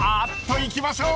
行きましょう。